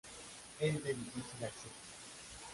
Es de difícil acceso.